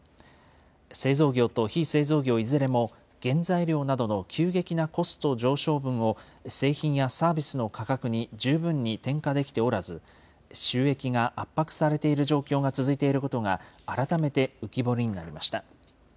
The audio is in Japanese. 製造業と非製造業いずれも、原材料などの急激なコスト上昇分を、製品やサービスの価格に十分に転嫁できておらず、収益が圧迫されている状況が続いていることが、改めて浮き彫りになりました。